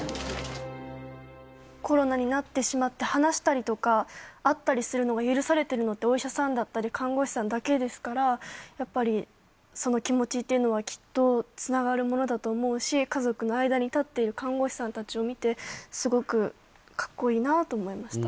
コロナになってしまって、話したりとか、会ったりするのが許されているのって、お医者さんだったり、看護師さんだけですから、やっぱりその気持ちっていうのは、きっとつながるものだと思うし、家族の間に立っている看護師さんたちを見て、すごくかっこいいなと思いました。